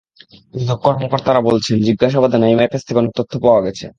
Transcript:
দুদক কর্মকর্তারা বলছেন, জিজ্ঞাসাবাদে নাঈমের কাছ থেকে অনেক তথ্য পাওয়া গেছে।